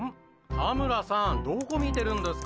田村さんどこ見てるんですか？」。